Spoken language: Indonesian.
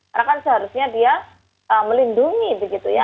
karena kan seharusnya dia melindungi begitu ya